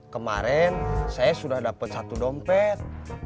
kemarin saya sudah dapat satu dompet